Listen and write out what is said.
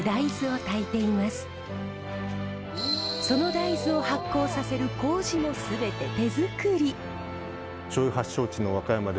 その大豆を発酵させるこうじも全て手づくり。